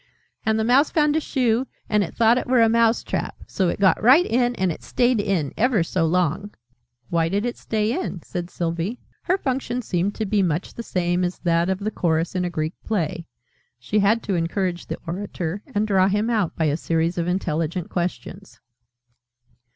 "And the Mouse found a Shoe, and it thought it were a Mouse trap. So it got right in, and it stayed in ever so long." "Why did it stay in?" said Sylvie. Her function seemed to be much the same as that of the Chorus in a Greek Play: she had to encourage the orator, and draw him out, by a series of intelligent questions.